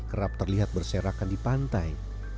kerap terlihat berserakan di pantai